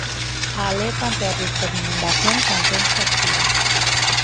A alerta ante o risco de inundacións mantense activa.